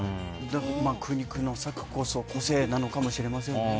苦肉の策こそ個性なのかもしれませんね。